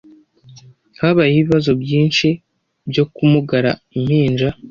Habayeho ibibazo byinshi byo kumugara impinja.